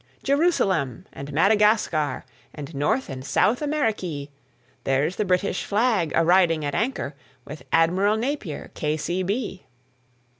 "Jerusalem and Madagascar, And North and South Amerikee: There's the British flag a riding at anchor, With Admiral Napier, K.C.B."